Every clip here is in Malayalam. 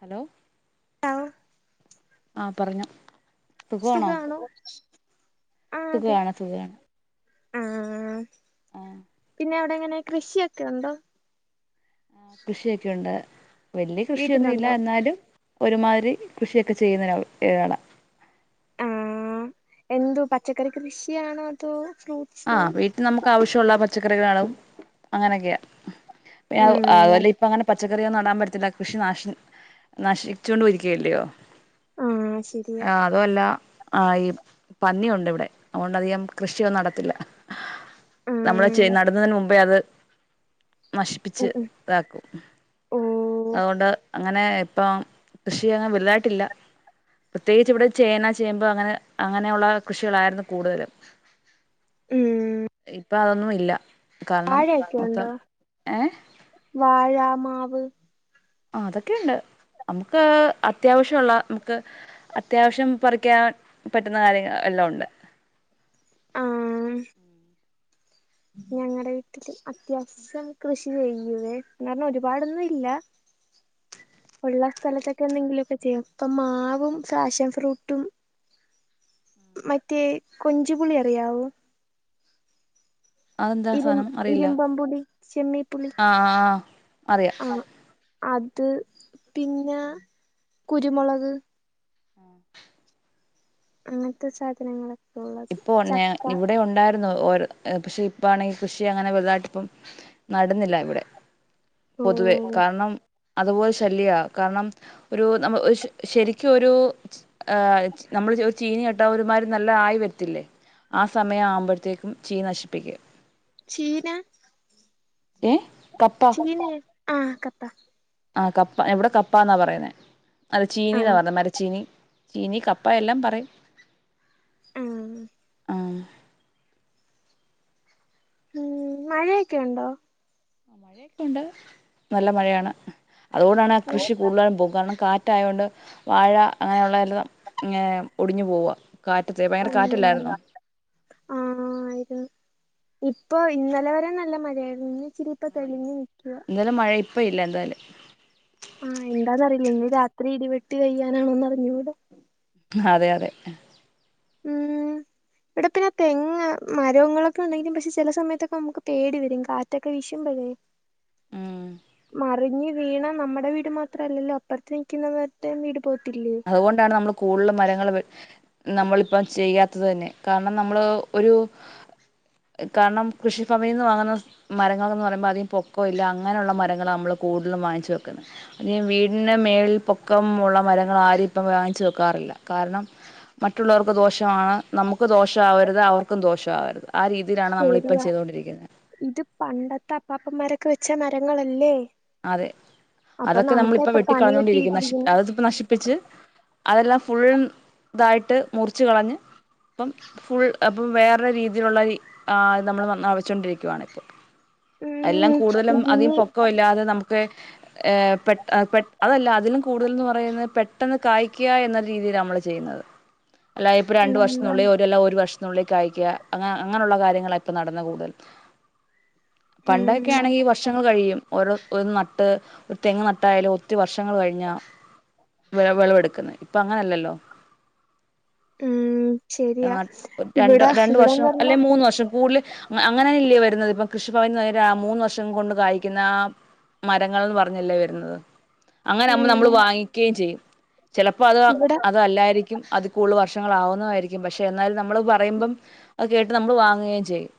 ഹലോ ആഹ് ആഹ് പറഞ്ഞൊ സുഖവാണോ സു സുഖവാണ് സുഖവാണ് ആഹ് ആഹ് പിന്നെ അവിടെങ്ങനെ കൃഷിയൊക്കെ ഒണ്ടൊ ആഹ് കൃഷിയൊക്കെയുണ്ട് വല്യ കൃഷിയൊന്നും ഇല്ല വീട്ടിലുണ്ടോ എന്നാലും ഒരുമാതിരി കൃഷിയൊക്കെ ചെയ്യുന്നരാള് [unintelligible] എന്തുവ പച്ചക്കറി കൃഷിയാണോ അതോ ഫ്രൂ ആഹ് വീട്ടിൽ നമുക്കാവശ്യൊള്ള പച്ചക്കറികളും അങ്ങനെയൊക്കെയാ പിന്നവു ഉം അതുപോലെ ഇപ്പങ്ങനെ പച്ചക്കറിയൊന്നും നടാൻ പറ്റത്തില്ല കൃഷി നാശിൻ നശിച്ചോണ്ടും ഇരിക്കുവല്ലയോ ആഹ് ശരിയാ ആഹ് അതുവല്ല ആഹ് ഈ പന്നിയുണ്ട് ഇവിടെ അതുകൊണ്ടധികം കൃഷിയൊന്നും നടത്തില്ല ഉം നമ്മള് ചെ നടുന്നതിന് മുമ്പേ അത് നശിപ്പിച്ച് ഉം ഉം ഇതാക്കും ഓഹ് അതുകൊണ്ട് അങ്ങനെ ഇപ്പം കൃഷി അങ്ങ് വലുതായിട്ടില്ല പ്രത്യേകിച്ച് ഇവിടെ ചേന ചേമ്പ് അങ്ങനെ അങ്ങനെയുള്ള കൃഷികളായിരുന്നു കൂടുതലും ഉം ഇപ്പൊ അതൊന്നും ഇല്ല കാരണം വാഴ ഒക്കെ മൊത്തം ഉണ്ടോ ഏ വാഴ മാവ് ആഹ് അതൊക്കെ ഉണ്ട് നമുക്ക് അത്യാവശ്യ ഉള്ള നമുക്ക് അത്യാവശ്യം പറിക്കാൻ പറ്റുന്ന കാര്യങ്ങൾ എല്ലാം ഉണ്ട് ഉം ഞങ്ങടെ വീട്ടില് അത്യാവ സം കൃഷി ചെയ്യുവേ എന്ന് പറഞ്ഞ ഒരു പാട് ഒന്നും ഇല്ല ഉള്ള സ്ഥലത്തൊക്കെ എന്തെങ്കിലു ഒക്കെ ചെയ്യാം ഇപ്പം മാവും ഫാഷൻ ഫ്രൂട്ടും മറ്റേ കൊഞ്ചു പുളി അറിയാവോ അതെന്താ ഇരു സാധനം അറിയില്ല ഇരുമ്പം പുളി ചെമ്മീപ്പുളി ആ ആ ആ അറിയാം ആഹ് അത് പിന്നെ കുരുമുളക് ആഹ് അങ്ങനത്തെ സാധനങ്ങള് ഇപ്പോ [unintelligible] ഇവിടെ ഉണ്ടായ രുന്നു ഓരോ പക്ഷെ ഇപ്പാണെങ്കി കൃഷി അങ്ങനെ വെലുതായിട്ട് ഇപ്പം നടന്നില്ല ഇവിടെ പൊതുവെ ഓഹ് കാരണം അതുപോലെ ശല്ല്യാ കാരണം ഒരു നമ്മ ഒരു ശ ശെരിക്കു ഒരു ആഹ് നമ്മള് ഒര് ചീനി നട്ടാ ഒരു മാതിരി നല്ല ആയി വ ത്തില്ലേ ആ സമയം ആവുമ്പോഴത്തേക്കും ചീനി നശിപ്പിക്കും ചീന ഏഹ് കപ്പാ ചീന ആഹ് കപ്പ ആഹ് കപ്പ ഏഹ് ഇവിടെ കപ്പാ എന്നാ പറയുന്നേ അത് ചീനീന്നാ ആഹ് പറഞ്ഞെ മരച്ചീനി ചീനി കപ്പ എല്ലാം പറയും ഉം ആഹ് ഉം മഴയൊക്കെ ഉണ്ടോ ആഹ് മഴ ഒക്കെ ഉണ്ട് നല്ല മഴയാണ് അതു കൊണ്ടാണ് കൃഷി കൂടുതലും പോക കാരണം കാ റ്റ് ആയോണ്ട് വാഴ അങ്ങനെ ഉള്ളതെല്ലാം ഏഹ് ഒടിഞ്ഞു പോവ കാറ്റത്ത് [unintelligible] ഉം കാറ്റല്ലായിരുന്നോ ആഹ് ഇപ്പൊ ഇന്നലെ വരെ നല്ല മഴയായിരുന്നു ഇന്ന് ഇച്ചിരി ഇപ്പ തെളിഞ്ഞ് നിക്കുവാ യങ്കര മഴ ഇപ്പം ഇല്ല എന്തായാലും ആഹ് എന്താന്ന് അറിയില്ല ഇന്ന് രാത്രി ഇടി വെട്ടി പെയ്യാനാണോ എന്നറിഞ്ഞൂടാ അതെ അതെ ഉം ഇവിടെ പിന്നെ തെങ്ങ് മരങ്ങളൊക്കെ ഉണ്ടെങ്കിലും പക്ഷെ ചില സമയത്തൊക്കെ നമുക്ക് പേടി വരും കാ റ്റൊക്കെ വീശുമ്പഴേ ഉം മറിഞ്ഞി വീണാൽ നമ്മടെ വീട് മാത്ര അല്ലല്ലോ അപ്പറത്ത് നിക്കുന്ന മറ്റേ വീട് പോവത്തില്ലേ ഇതാണ് നമ്മള് കൂടുതല് മരങ്ങള് നമ്മളിപ്പം ചെയ്യാത്തത് തന്നെ കാരണം നമ്മള് ഒരു കാരണം കൃഷി ഭവനിന്ന് വാങ്ങുന്ന മരങ്ങളാണ് എന്ന് പറയുമ്പോ അധികം പൊക്കം ഇല്ല അങ്ങനെ ഉള്ള മരങ്ങളാ നമ്മള് കൂടുതലും വാങ്ങിച്ച് വെക്കുന്നെ അധികം വീടിന്റെ മേളിൽ പൊക്കമുള്ള മരങ്ങൾ ആരും ഇപ്പം വാങ്ങിച്ചു വെക്കാറില്ല കാരണം മറ്റുള്ളവർക്ക് ദോഷ ആണ് നമുക്ക് ദോഷം ആവരുത് അവർക്കും ദോഷം ആവരുത് ആ രീ രീതിയിലാണ് നമ്മളിപ്പം ശരിയാ ചെയ്തോണ്ടിരിക്കുന്നെ ഇത് പണ്ടത്തെ അപ്പാപ്പന്മാരൊക്കെ വെച്ച മരങ്ങളല്ലേ? അതെ അപ്പൊ അതൊക്കെ നമുക്ക് നമ്മളിപ്പൊ ഇപ്പൊ വെട്ടി പണി കളഞ്ഞോണ്ടിരിക്കുന്നു നശി കിട്ടിയിട്ടിരിക്കുന്നു അത് നശിപ്പി ച്ച് അതെല്ലാം ഫുൾ ഇതായിട്ട് മുറിച്ച് കളഞ്ഞ് ഇപ്പം ഫുൾ അപ്പം വേറെ രീതിയിലുള്ള ആഹ് നമ്മൾ നവച്ചൊണ്ടിരിക്കയാണ് ഉം എല്ലം കൂടുതലും അധികം ഇതിന് പൊക്കവില്ലാതെ നമുക്ക് ഏഹ് പെ പെട്ട അതല്ല അതിലും കൂടുതല്ന്ന് പറയുന്നേ പെട്ടെന്ന് കായ്ക്കാ എന്ന രീതിയിലാ നമ്മള് ചി ചെയ്യുന്നത് അല്ലാതെ ഇപ്പോ രണ്ട് ഉം വർഷത്തിനുള്ളിൽ അല്ല ഒരു വർഷ ത്തിനുള്ളി കായ്ക്കാ അങ്ങ അങ്ങനുള്ള കാര്യങ്ങളാ ഇപ്പൊ നടക്കുന്നേ കൂടുതലും പണ്ടൊക്കെ ഉം ആണെങ്കി വർഷങ്ങൾ കഴിയും ഓരോ ന്ന് നട്ട് ഒരു തെങ്ങ് നട്ടായാലും ഒത്തിരി വർഷങ്ങൾ കഴിഞ്ഞാ വേ വേളവെടുക്കുന്നത് ഇപ്പൊ അങ്ങനെയല്ലല്ലോ ഉം ശരിയാ ആഹ് ഇവിടെ രണ്ട് ഇവിടെന്ന് വർഷം അല്ലെ പറഞ്ഞാ മൂന്ന് വർഷം കൂടുതലും അങ്ങനിയല്ലേ വരുന്നത് ഇപ്പം കൃഷിഭവൻന്ന് തരും മൂന്ന് വർഷം കൊണ്ട് കായിക്കുന്ന ആഹ് മരങ്ങൾന്ന് പറഞ് അല്ലേ വരുന്നത് അങ്ങനെ നമ്മ നമ്മൾ ഉം വാങ്ങിക്കയും ചെയ്യും ചെലപ്പോ അതോ ഇവിടെ അതല്ലായിരിക്കും അതി കൂടുതൽ വർഷങ്ങൾ ആവുന്നതായിരിക്കും പക്ഷെ എന്നാലും നമ്മള് അത് പറയുമ്പം അത് കേട്ട് നമ്മൾ വാങ്ങുകയും ചെയ്യും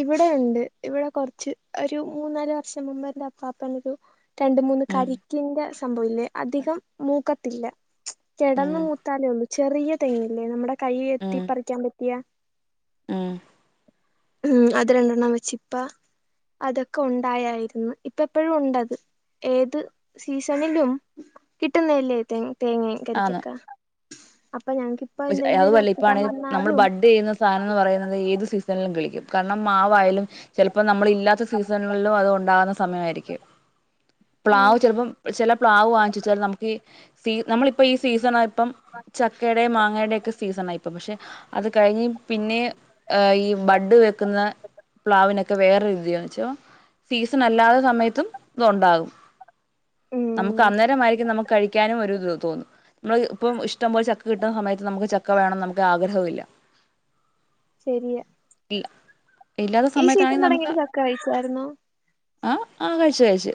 ഇവിടെയുണ്ട് ഇവിടെ കൊറച്ച് ഒരു മൂന്നാലു വർഷം മുമ്പ് എന്റെ അപ്പാപ്പനൊരു രണ്ട് മൂന്ന് ഉം കരിക്കിന്റെ സംഭവയില്ലേ അധികം മൂക്കത്തില്ല കെടന്ന് ഉം മൂത്താലേയൊള്ളൂ ചെറിയ തെങ്ങില്ലേ നമ്മുടെ കൈ എത്തി ഉം പ്പറിക്കാൻ പറ്റിയ ഉം ഉം അത് രണ്ടെണ്ണം വെച്ച് ഇപ്പം അതൊക്കെ ഒണ്ടായായിരുന്നു ഇപ്പ എപ്പഴും ഉണ്ടത് ഏത് സീസണിലും കിട്ടുന്നയല്ലേ തേങ്ങ കരിക്കക്കെ അപ്പൊ ഞങ്ങക്ക് പക്ഷേ അതുവല്ല ഇപ്പായാണെ നമ്മള് ബഡ് ചെയ്യുന്ന സാധനം എന്ന് പറയുന്നത് ഏത് സീസണിലും കിളിക്കും കാരണം മാവായാലും ചെലപ്പോ നമ്മളില്ലാത്ത സീസണുകളിലും അത് ഒണ്ടാകുന്ന സമയമായിരിക്കും ആ പ്ലാവ് ചിലപ്പം ചെല പ്ലാവ് വാങ്ങിച്ച് വെച്ചാലും നമുക്ക് നമ്മളിപ്പൊ ഈ സീസണാ ഇപ്പം ചക്കയുടെ മാങ്ങയുടെ ഒക്കെ സീസണായിപ്പൊ പക്ഷെ അത് കഴിഞ്ഞ് പിന്നെ ഈ ബഡ് വെക്കുന്ന പ്ലാവിനൊക്കെ വേറെര് ഇത് യാന്ന് വെച്ചോ സീസണല്ലാതെ സമയത്തും ഇത് ഉണ്ടാകും നമുക്ക് ഉം അന്നേരമായിരിക്കും നമുക്ക് കഴിക്കാനും ഒരു ഇത് തോന്നും നമ്മ ഇപ്പം ഇഷ്ടം പോലെ ചക്ക കിട്ടുന്ന സമയത്ത് നമുക്ക് ചക്ക വേണംന്ന് നമുക്ക് ആഗ്രഹവുമില്ല ശരിയ ഇല്ല ഇല്ലാത്ത സമയത്താണെങ്കി നമുക്ക് തുടങ്ങിട്ട് ചക്ക കഴിച്ചായിരുന്നോ ആഹ് ആഹ് കഴിച്ച് കഴിച്ച്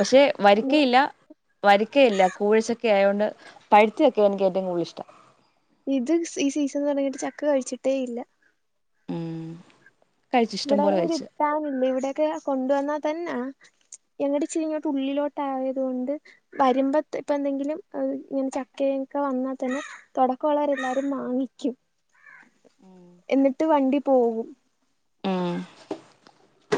പക്ഷെ ഉം വരിക്കയില്ല വരിക്കയില്ല കൂവ ചക്ക ആയോണ്ട് പഴുത്ത ചക്കെയാ എനിക്ക് ഏറ്റവും കൂടുതലിഷ്ടം ഇത് ഈ സീസൺ തുടങ്ങിയിട്ട് ചക്ക കഴിച്ചിട്ടേയില്ല ഉം കഴിച്ചു ഇഷ്ടം പോലെ ഇവിടെയൊന്നും കഴിച്ചു കിട്ടാനില്ല ഇവിടെയെക്കെ കൊണ്ട് വന്നാ തന്നെ ഞങ്ങട് ഇിച്ചരിങ്ങോട്ട് ഉള്ളിലോട്ടായത് കൊണ്ട് വരുമ്പം ഇപ്പന്തെങ്കിലും ഇങ്ങനെ ചക്കയൊക്കെ വന്നാ തന്നെ തൊടക്കം ഒള്ളവരെല്ലാരും വാങ്ങിക്കും എന്നിട്ട് വണ്ടി പോകും ഉം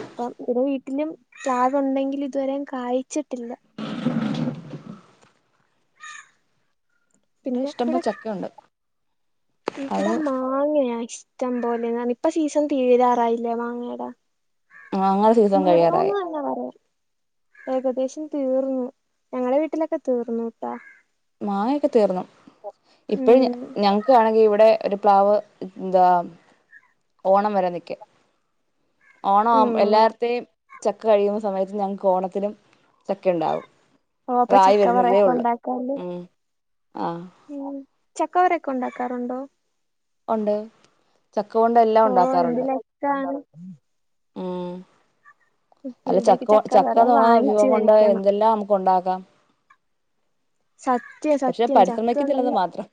അപ്പം ഇവിടെ വീട്ടിലും പ്ലാവ് ഉണ്ടെങ്കിലും ഇതുവരെ കായിച്ചിട്ടില്ല [inaudible] പിന്നെ ഇഷ്ടം ഇവിടെ പോലെ ചക്കയുണ്ട് അത് ഇവിടെ മാ ങ്ങയാ ഇഷ്ടം പോലെ ഇപ്പ സീസൺ തീരാറായില്ലേ മാങ്ങേടെ മാങ്ങ സീസൺ കഴിയാറായി ആ [unintelligible] ഏകദേശം തീർന്നു ഞങ്ങളുടെ വീട്ടിലൊക്കെ തീർന്നു ട്ടാ മാങ്ങക്കെ തീർന്നു ഇപ്പഴ ഉം ഞങ്ങക്ക് ആണെങ്കിൽ ഇവിടെ ഒരു പ്ലാവ് എന്താ ഓണം വരാൻ നിക്ക ഓണം ആ ഉം എല്ലാർത്തെയും ചക്ക കഴിയുന്ന സമയത്ത് ഞങ്ങൾക്ക് ഓണത്തിനും ചക്ക ഉണ്ടാവും അതായി വരുന്നതേ ഉള്ളൂ കൈ ഏഹ് ആഹ് ഉ ചക്കവരൊക്കെ ഉണ്ടാക്കാറുണ്ടോ ഉണ്ട് ചക്ക കൊണ്ട് എല്ലാം ഉണ്ടാക്കാറുണ്ട് ച്ചാണ് ഉം അല്ല ഇവിടെയൊക്കെ ചക്ക ചക്കവറ ചക്കന്ന് പറഞ്ഞ വാങ്ങിച്ചു വിഭവം കൊണ്ട് കഴിക്കണം എന്തെല്ലാം നമുക്ക് ഉണ്ടാക്കാം സത്യം പക്ഷെ സത്യം ചക്ക പരിശ്രമിക്കുന്നില്ലെന്ന് ഉണ്ടെങ്കി മാത്രം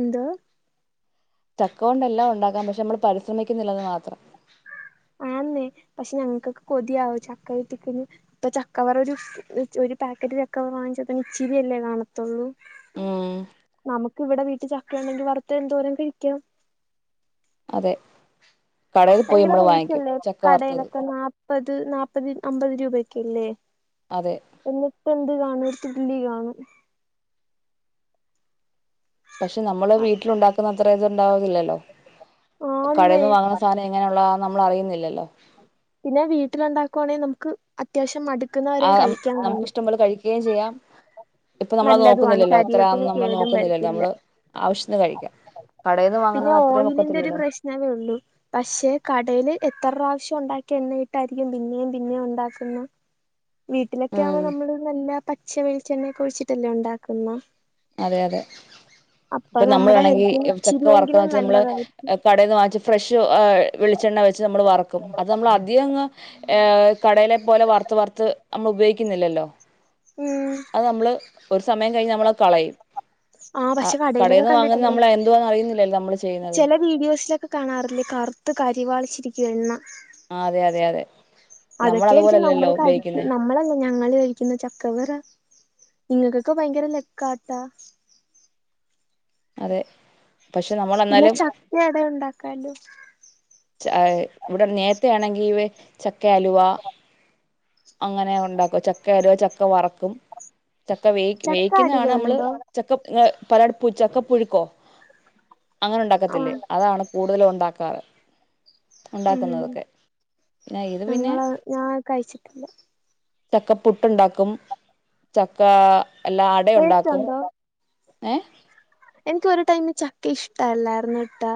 എന്തോ ചക്ക കൊണ്ട് എല്ലാം ഉണ്ടാക്കാം പക്ഷെ നമ്മള് പരിശ്രമിക്കുന്നില്ലെന്ന് മാത്രം ആന്നെ പക്ഷെ ഞങ്ങക്ക്ക്ക് കൊതിയാവ ചക്കട്ടിക്കന്ന് ഇപ്പൊ ചക്കവർ ഒരു ഒരു പാക്കറ്റ് ചക്കവർ വാങ്ങിച്ചപ്പ ഇച്ചിരി അല്ലേ കാണത്തുള്ളൂ ഉം നമുക്ക് ഇവിടെ വീട്ടിൽ ചക്ക ഉണ്ടെങ്കിൽ വറുത്ത എന്തോരം കഴിക്കാം അതെ കടയിൽ പോയി ഭയങ്കര നമ്മൾ വാങ്ങിക്കും ചക്ക വറുത്തത് മുപ്പത് നാപ്പത് അമ്പത് രൂപ ഒക്കെല്ലേ അതെ എന്നിട്ട് എന്ത് കാണും ഒരു തുള്ളി കാണും പക്ഷെ നമ്മള് വീട്ടിലുണ്ടാക്കുന്ന അത്ര ഇതുണ്ടാവുന്നില്ലല്ലോ കടയിൽ ആന്നേ നിന്ന് വാങ്ങണ സാധനം എങ്ങനെയുള്ളതാന്ന് നമ്മൾ അറിയുന്നില്ലല്ലോ പിന്നെ വീട്ടിലുണ്ടാക്കുവാണെങ്കി നമുക്ക് അത്യാവശ്യം മടുക്കുന്നവരെയും കഴിക്കാൻ തോന്നും കഴിക്കേം ചെയ്യാം ഇപ്പൊ നമ്മള് നല്ലതുമാണ് നോക്കുന്നില്ലല്ലോ ശരീരത്തിന് ഇത്രയാന്നൊന്നും നമ്മൾ കേടും നോക്കുന്നില്ലല്ലോ വരത്തില്ല നമ്മള് ആവശ്യത്തിന്ന് കഴിക്കാം കടേന്ന് വാങ്ങുന്നത് അത്രയും ഒക്കത്തില്ലല്ലോ ഞാനേ ഉള്ളു പക്ഷെ കടേല് എത്ര പ്രാവശ്യം ഒണ്ടാക്കി എണ്ണയിട്ടായിരിക്കും പിന്നെയും പിന്നെയും ഒണ്ടാക്കുന്ന വീട്ടിലൊക്കെ ഉം ആവുമ്പോ നമ്മള് നല്ല പച്ച വെളിച്ചെണ്ണയൊക്കെ ഒഴിച്ചിട്ടല്ലേ ഉണ്ടാക്കുന്ന അതെ അതെ ഇപ്പൊ നമ്മുടെ നമ്മളാണെങ്കിൽ ഹെൽത്തിന് ചെക്ക വറക്കന്ന് ഇച്ചിരിയെങ്കിലും വെച്ചാ നമ്മള് നല്ലതായിരിക്കും കടേന്ന് വാങ്ങിച്ച് ഫ്രഷ് വെളിച്ചെണ്ണ വെച്ച് നമ്മൾ വറുക്കും അത് നമ്മൾ അധികംങ്ങ് ഏഹ് കടയിലെ പോലെ വറുത്ത് വറുത്ത് നമ്മൾ ഉപയോഗിക്കുന്നില്ലല്ലോ ഉം അത് നമ്മള് ഒരു സമയം കഴിഞ്ഞ നമ്മളത് കളയും ആ ആഹ് പക്ഷെ കടയിലൊക്കെ കടേന്ന് വാങ്ങുന്നത് നമ്മൾ എന്തുവാന്ന് അറിയുന്നില്ലല്ലോ നമ്മള് ചെയ്യുന്നത് ചെല വീഡിയോസിലൊക്കെ കാണാറില്ലേ കറുത്ത് കരിവാളിച്ചിരിക്കുവ എണ്ണ ആഹ് അതെ അതെ അതെ നമ്മൾ അതൊക്കെ ആയിരിക്കും അതുപോലെല്ലല്ലോ നമ്മള് കഴി ഉപയോഗിക്കുന്നേ നമ്മളല്ല ഞങ്ങള് കഴിക്കുന്ന ചക്കവറ നിങ്ങക്കൊക്കെ ഭയങ്കര ലക്കാട്ടാ അതെ പക്ഷെ നമ്മൾ പിന്നെ എന്നാലും ചക്ക അട ഉണ്ടാക്കാലോ ച്ച ആയെ ഇവിടെ നേരത്തേ ആണെങ്കി ഇവെ ചക്ക അലുവ അങ്ങനാ ഉണ്ടാക്കുവാ ചക്ക അലുവ ചക്ക വറക്കും ചക്ക വേയിക്കും ചക്ക വേയിക്ക്ന്ന് അലുവ ആണ് അമ്മള് ഉണ്ടോ ചക്ക ഇങ്ങള് പലട് പ്പു ചക്കപ്പുഴുക്കോ അങ്ങനെ ഉണ്ടാക്കത്തില്ലേ ആഹ് അതാണ് കൂടുതലും ഉണ്ടാക്കാറ് ഉം ഒണ്ടാക്കുന്നതൊക്കെ പിന്നെ ഇത് പിന്നെ ഞങ്ങള് ഞാൻ കഴിച്ചിട്ടില്ല ചക്ക പുട്ടുണ്ടാക്കും ചക്ക എല്ലാ ടേസ്റ്റ് അടയൊണ്ടാക്കും ഉണ്ടോ ഏഹ് എനിക്ക് ഒരു ടൈമി ചക്ക ഇഷ്ട അല്ലാരുന്നു ട്ടാ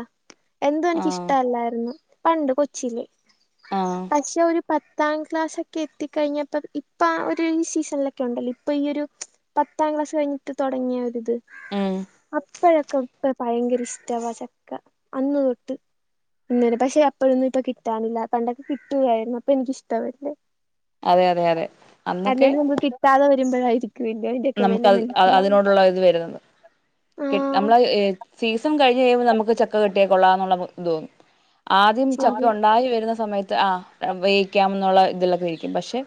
എന്തോ ആ എനിക്കിഷ്ട അല്ലായിരുന്നു പണ്ട് കൊച്ചില് ആ പക്ഷെ ഒരു പത്താം ക്ലാസൊക്കെ എത്തിക്കഴിഞ്ഞപ്പ ഇപ്പൊ ആ ഒരു ഈ സീസൺലൊക്കെ ഉണ്ടല്ലോ ഇപ്പൊ ഈ ഒരു പത്താം ക്ലാസ് കഴിഞ്ഞിട്ട് തൊടങ്ങിയ ആ ഒര് ഇത് ഉം അപ്പോഴൊക്കെ ഇപ്പ ഭയങ്കര ഇഷ്ടവാ ചക്ക അന്ന് തൊട്ട് തിന്നേനെ പക്ഷെ അപ്പഴൊന്നും ഇപ്പ കിട്ടാനില്ല പണ്ടൊക്കെ കിട്ടുകായിരുന്നു അപ്പൊ എനിക്കിഷ്ടവല്ല അതെ അതെ അതെ അന്നൊക്കെ അല്ലേലും നമുക്ക് കിട്ടാതെ വരുമ്പഴായിരിക്കും നമുക്ക് അത് അതിനോടുള്ള ഇത് വരുന്നത് കിട്ട് ആഹ് നമ്മളത് ഈ സീസൺ കഴിഞ് കഴിയുമ്പോ നമുക്ക് ചക്ക കിട്ടിയാൽ കൊള്ളാംന്നുള്ള ഇത് തോന്നും ആദ്യം ചക്ക ശരിയാ ഒണ്ടായി വരുന്ന സമയത്ത് ആഹ് ഉപയോഗിക്കാംന്നുള്ള ഇതിലൊക്കെ ഇരിക്കും പക്ഷെ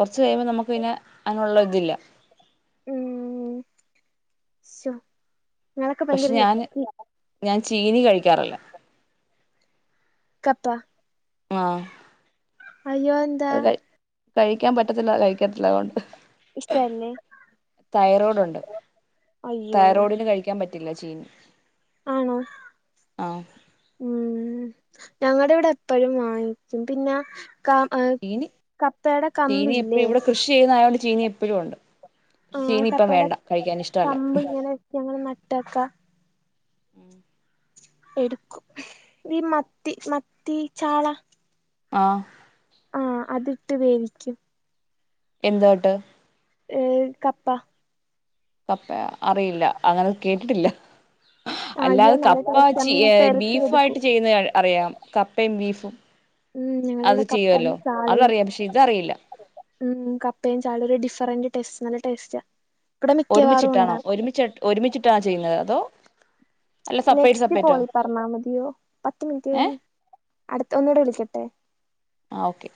കൊർച്ച് കഴിയുമ്പോ നമുക്ക് പിന്നെ അതിനുള്ള ഇതില്ല ഉം ശൊ പക്ഷെ ഞാന് ഞാൻ ചീനി കഴിക്കാറില്ല കപ്പ ആഹ് അയ്യോ അതെന്താ അത് കഴി കഴിക്കാൻ പറ്റത്തില്ല കഴിക്കത്തില്ല അതുകൊണ്ട് ഇഷ്ടല്ലേ തൈറോയ്ഡ് ഉണ്ട് അയ്യോ തൈറോയ്ഡിന് കഴിക്കാൻ പറ്റ റ്റില്ല ചീനി ആണോ ആഹ് ഉം ഞങ്ങടെ ഇവിടെ എപ്പഴും വാങ്ങിക്ക്യും പിന്നെ. ക എഹ് ചീനി കപ്പേടെ കമ്പില്ലേ ഷി ചെയ്യുന്നതായോണ്ട് ചീനി എപ്പഴും ഉണ്ട് പക്ഷെ ആഹ് ചീനി ഇപ്പം വേണ്ട കഴിക്കാൻ ഇഷ്ടവല്ല ഇത്‌ പോലെ നട്ട് വെക്കാ ഉം എടുക്കും ഈ മത്തി മത്തി ചാള ആഹ് ആഹ് അതിട്ട് വേവിക്കും എന്തോ ഇട്ട് ഏഹ് കപ്പ കപ്പെ അറിയില്ല അങ്ങനെ കേട്ടിട്ടില്ല ആ അയ്യോ അല്ലാതെ നല്ല ടേസ്റ്റാ കപ്പച്ചി മീൻ യേ പെരട്ടി ബീഫു ആയിട്ട് എടുക്കും ചെയ്യുന്നത് കണ്ട് അറിയാം കപ്പേം ബീഫും ഉം അത് ഞങ്ങളിവിടെ കപ്പയും ചെയ്യുവല്ലോ ചാളയും അതറിയാം പക്ഷെ ഇതറിയില്ല. ഉം കപ്പയും ചാളീം ഒരു ഡിഫറന്റ് ടേസ്റ്റ് നല്ല ടേസ്റ്റാ ഇവിടെ മിക്കവാറും ഒരുമിച്ചിട്ടാണോ ഉണ്ടാക്കും. ഒരുമിച്ച് ഒരുമിച്ചിട്ടാണോ ചെയ്യുന്നത് അതോ. അല്ല സെപ്പറേറ്റ് നെക്സ്റ്റ് സെപ്പറേറ്റോ കോളി പറഞ്ഞാ മതിയോ പത്ത് മിനിറ്റ് കഴിഞ്ഞ് ഏഹ് അടുത്ത ഒന്നൂടെ വിളിക്കട്ടെ. ആഹ് ഓക്കെ